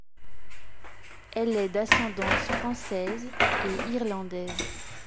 Elle est d'ascendance française et irlandaise.